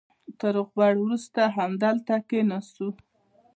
تر روغبړ وروسته همدلته کېناستو.